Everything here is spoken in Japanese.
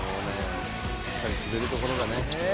しっかり決めるところがね。